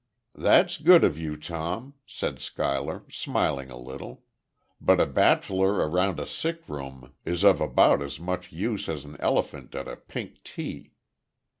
"That's good of you, Tom," said Schuyler, smiling a little. "But a bachelor around a sick room is of about as much use as an elephant at a pink tea....